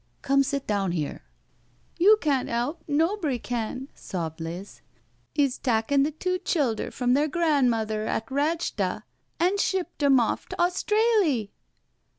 Come, sit down here." •• You can't 'elp, nobry can/* sobbed Liz. " 'E's takken the two childher from their gran'mother at Ratchda* an' shipped 'em off t' Australy."